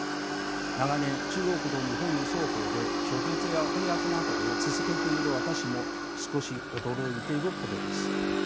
長年中国と日本の双方で著述や翻訳などを続けている私も少し驚いているほどです。